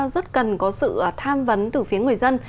rất cần có sự tham vấn từ phía người dân